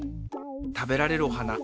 食べられるお花